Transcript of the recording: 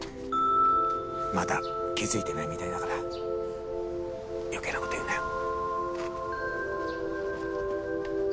まだ気付いてないみたいだから余計なこと言うなよ。